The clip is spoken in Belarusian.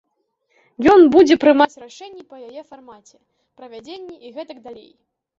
Ён будзе прымаць рашэнні па яе фармаце, правядзенні і гэтак далей.